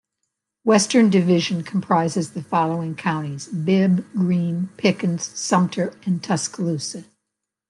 Western Division comprises the following counties: Bibb, Greene, Pickens, Sumter, and Tuscaloosa.